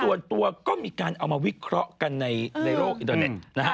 โดยส่วนตัวก็มีการเอามาวิเคราะห์กันในโลกอินทราเน็ต